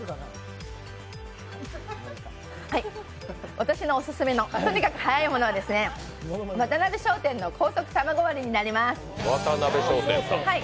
私のオススメのとにかくはやいものは渡辺商店の高速卵割りになります。